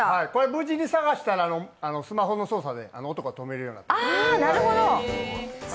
無事に探したらスマホの操作で音が止まるようになってる。